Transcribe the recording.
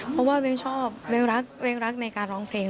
เพราะว่าเวียงชอบเวียงรักในการร้องเพลง